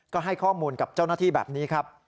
ก็ให้ข้อมูลกับเจ้าหน้าที่แบบนี้ครับ